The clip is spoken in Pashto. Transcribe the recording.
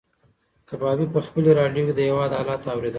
کبابي په خپلې راډیو کې د هېواد حالات اورېدل.